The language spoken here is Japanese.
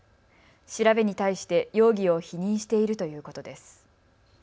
調べに対して容疑を否認しているということです。